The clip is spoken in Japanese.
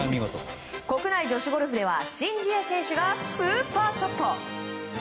国内女子ゴルフでは新人選手がスーパーショット。